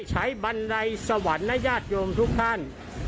บันไดสวรรค์นะญาติโยมทุกท่าน